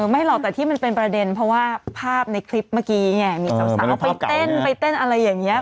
ไม่หรอกแต่ที่มันเป็นประเด็นเพราะว่าภาพในคลิปเมื่อกี้ไงมีสาวไปเต้นไปเต้นอะไรอย่างนี้